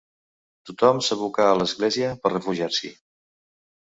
Tothom s'abocà a l'església per refugiar-s'hi.